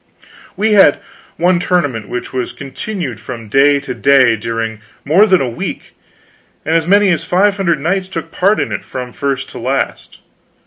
We had one tournament which was continued from day to day during more than a week, and as many as five hundred knights took part in it, from first to last.